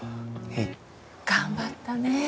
へい頑張ったね